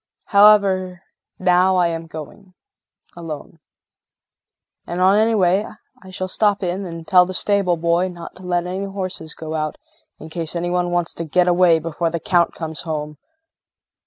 However now I am going alone. And on my way I shall stop in and tell the stable boy not to let any horses go out in case any one wants to get away before the Count comes home.